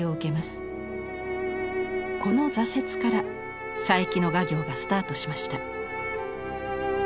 この挫折から佐伯の画業がスタートしました。